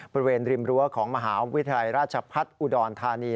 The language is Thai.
บริเวณริมรั้วของมหาวิทยาลัยราชพัฒน์อุดรธานี